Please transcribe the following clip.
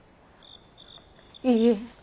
いいえ。